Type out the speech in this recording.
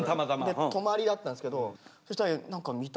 泊まりだったんですけどそしたら何か「見たいよな？